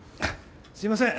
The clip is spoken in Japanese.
すいません。